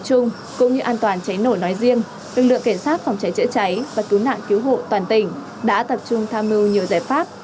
cũng như an toàn cháy nổ nói riêng lực lượng kiểm tra phòng cháy chữa cháy và cứu nạn cứu hộ toàn tỉnh đã tập trung tham mưu nhiều giải pháp